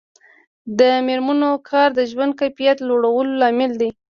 د میرمنو کار د ژوند کیفیت لوړولو لامل دی.